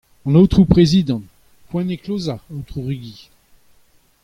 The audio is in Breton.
An Aotrou Prezidant : Poent eo klozañ, Aotrou Rugy !